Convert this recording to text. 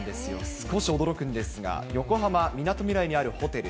少し驚くんですが、横浜・みなとみらいにあるホテル。